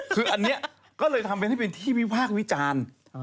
คืออันนี้ก็เลยทำให้เป็นที่วิพากษ์วิจารณ์